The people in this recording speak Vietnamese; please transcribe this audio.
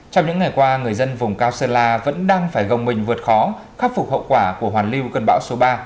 trong những ngày qua người dân vùng cao sơn la vẫn đang phải gồng mình vượt khó khắc phục hậu quả của hoàn lưu cơn bão số ba